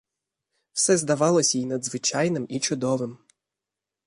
Все здавалось їй надзвичайним і чудовим.